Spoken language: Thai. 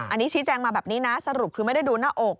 อันนี้ชี้แจงมาแบบนี้นะสรุปคือไม่ได้ดูหน้าอก